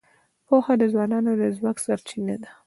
پوهه د ځوانانو د ځواک سرچینه ده.